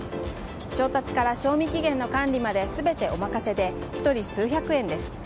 調達から賞味期限の管理までお任せで１人数百円です。